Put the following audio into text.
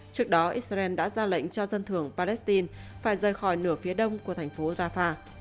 trước đó israel đã ra lệnh cho dân thường palestine phải rời khỏi nửa phía đông của thành phố rafah